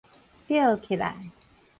著起來